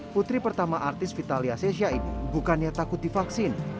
putri pertama artis vitalia sesha ini bukannya takut divaksin